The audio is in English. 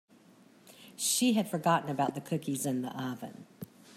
She had forgotten about the cookies in the oven.